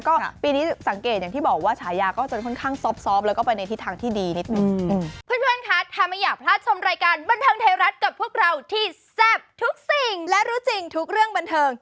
ก็ปีนี้สังเกตอย่างที่บอกว่าฉายาก็จะค่อนข้างซอบแล้วก็ไปในทางที่ดีนิดนึง